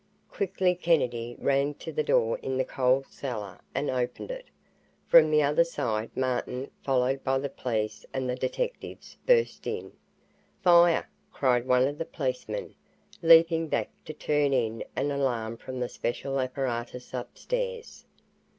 Quickly Kennedy ran to the door into the coal cellar and opened it. From the other side, Martin, followed by the police and the detectives, burst in. "Fire!" cried one of the policemen, leaping back to turn in an alarm from the special apparatus upstairs.